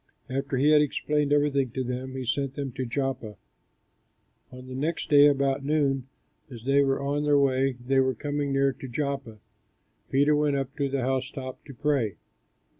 After he had explained everything to them, he sent them to Joppa. On the next day, about noon, as they were on their way, and were coming near to Joppa, Peter went up to the housetop to pray.